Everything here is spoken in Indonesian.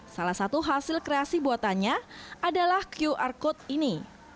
salah satu hasil kreasi buatannya adalah qr code ini